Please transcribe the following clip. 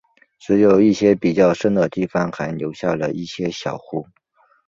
只有一些比较深的地方还留下了一些小湖。